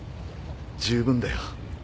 十分だよ。